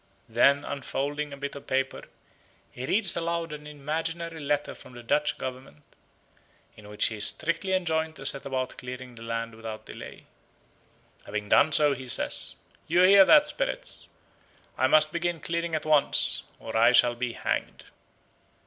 Then unfolding a bit of paper he reads aloud an imaginary letter from the Dutch Government, in which he is strictly enjoined to set about clearing the land without delay. Having done so, he says: "You hear that, spirits. I must begin clearing at once, or I shall be hanged."